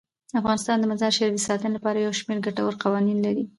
افغانستان د مزارشریف د ساتنې لپاره یو شمیر ګټور قوانین لري.